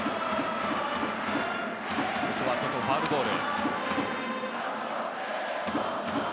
ここはファウルボール。